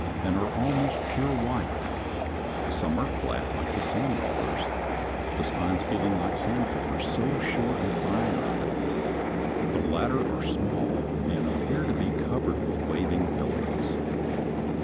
53) and are almost pure white; some are flat like the sand dollars, the spines feeling like sandpaper, so short and fine are they. The latter are small, and appear to be covered with waving filaments.